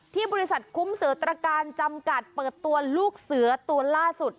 ที่บริษัทคุ้มเสือตรการจำกัดเปิดตัวลูกเสือตัวล่าสุด